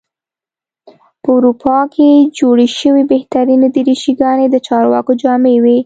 په اروپا کې جوړې شوې بهترینې دریشي ګانې د چارواکو جامې وې.